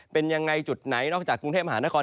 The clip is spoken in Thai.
เป็นยังไงจุดไหนนอกจากกรุงเทพมหานคร